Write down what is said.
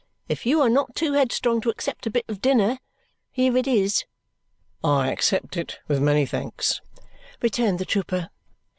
If you are not too headstrong to accept of a bit of dinner, here it is." "I accept it with many thanks," returned the trooper.